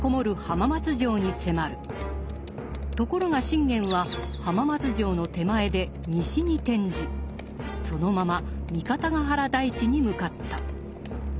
ところが信玄は浜松城の手前で西に転じそのまま三方ヶ原台地に向かった。